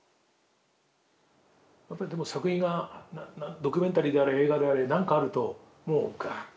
やっぱりでも作品がドキュメンタリーであれ映画であれ何かあるともうガーッと。